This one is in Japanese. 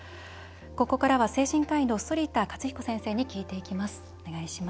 ここからは精神科医の反田克彦先生に聞いていきます。